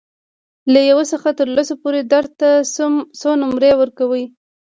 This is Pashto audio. له یو څخه تر لسو پورې درد ته څو نمرې ورکوئ؟